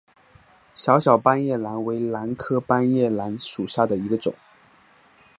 小小斑叶兰为兰科斑叶兰属下的一个种。